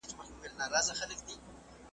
دا نظم مي وساته یو وخت به در یادیږي .